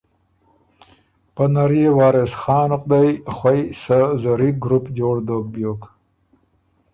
پۀ نر يې وارث خان غدئ خوئ سۀ زری ګروپ جوړ دوک بیوک